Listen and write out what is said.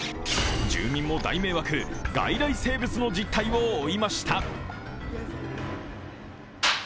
住民も大迷惑、外来生物の実態を追いました。